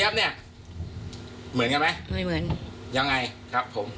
เผื่อเขายังไม่ได้งาน